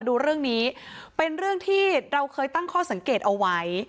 ดูเรื่องนี้เป็นเรื่องที่เราเคยตั้งข้อสังเกตเอาไว้